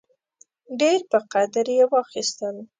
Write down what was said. ډېر په قدر یې واخیستل.